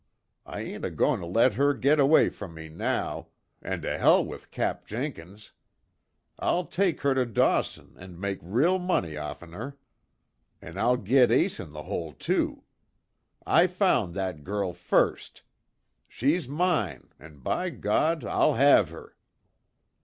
I ain't a goin' to let her git away from me now an' to hell with Cap Jinkins! I'll take her to Dawson, an' make real money offen her. An' I'll git Ace In The Hole too. I found that girl first! She's mine an' by God, I'll have her!"